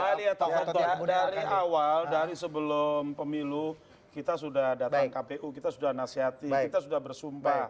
dari awal dari sebelum pemilu kita sudah datang kpu kita sudah nasihati kita sudah bersumpah